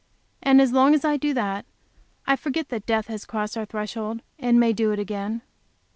And as long as I do that I forget that death has crossed our threshold, and may do it again.